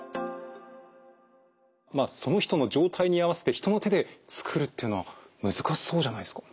その人の状態に合わせて人の手で作るっていうのは難しそうじゃないですか？